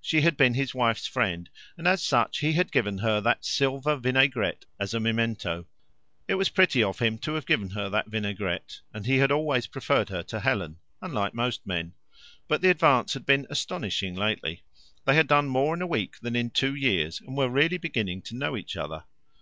She had been his wife's friend, and, as such, he had given her that silver vinaigrette as a memento. It was pretty of him to have given that vinaigrette, and he had always preferred her to Helen unlike most men. But the advance had been astonishing lately. They had done more in a week than in two years, and were really beginning to know each other.